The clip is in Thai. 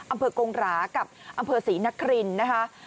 อำเภอกงระกับอำเภอศรีนครินนะฮะ